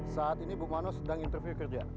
saat ini bukmano sedang interview kerja